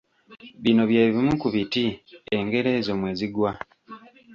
Bino bye bimu ku biti engero ezo mwe zigwa